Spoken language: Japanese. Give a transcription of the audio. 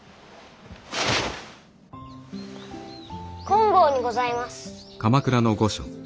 金剛にございます。